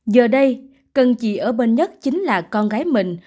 giờ đây cần chỉ ở bên nhất chính là con gái mình